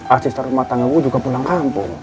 asisten rumah tangga gua juga pulang kampung